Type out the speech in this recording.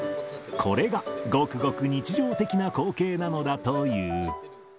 これがごくごく日常的な光景なのだという。